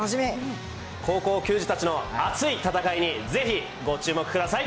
高校球児たちの熱い戦いに、ぜひご注目ください。